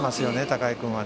高井君は。